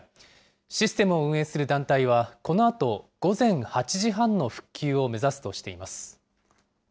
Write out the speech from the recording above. システムを運営する団体は、このあと午前８時半の復旧を目指すとしています。